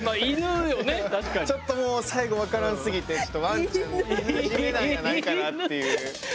ちょっともう最後分らんすぎてちょっとわんちゃんいぬ締めなんじゃないかなっていう。